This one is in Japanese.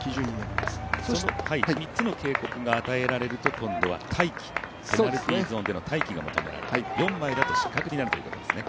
３つの警告が与えられると今度は待機、ペナルティゾーンでの待機が求められ４枚出ると失格になるということですね。